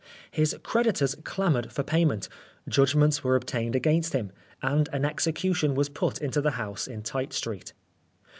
His creditors clamoured for payment, judgments were obtained against him, and an execution was put into the house in Tite Street.